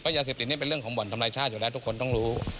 ยาเสพติดนี่เป็นเรื่องของบ่อนทำลายชาติอยู่แล้วทุกคนต้องรู้